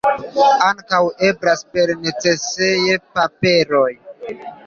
Ankaŭ eblas per necesejpapero!